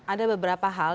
ada beberapa hal